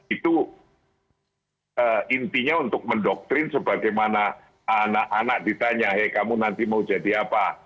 itu intinya untuk mendoktrin sebagaimana anak anak ditanya hei kamu nanti mau jadi apa